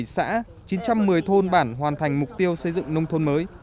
ba trăm sáu mươi bảy xã chín trăm một mươi thôn bản hoàn thành mục tiêu xây dựng nông thôn mới